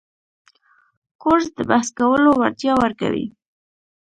کورس د بحث کولو وړتیا ورکوي.